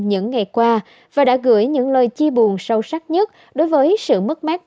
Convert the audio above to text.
những ngày qua và đã gửi những lời chia buồn sâu sắc nhất đối với sự mất mát